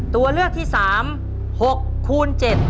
ตัวเลือกที่๓๖คูณ๗